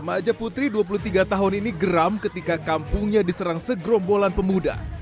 remaja putri dua puluh tiga tahun ini geram ketika kampungnya diserang segerombolan pemuda